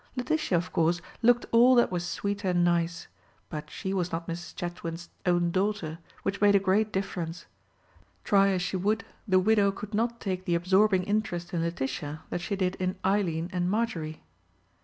Letitia, of course, looked all that was sweet and nice; but she was not Mrs. Chewynd's own daughter, which made a great difference. Try as she would, the widow could not take the absorbing interest in Letitia that she did in Eileen and Marjorie.